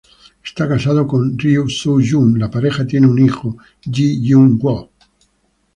Esta casado con Ryu Su-jung, la pareja tiene un hijo, Jee Hyun-woo.